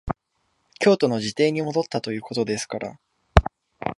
京都の自邸に戻ったということですから、